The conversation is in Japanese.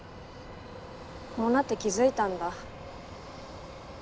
こうなって気づいたんだ。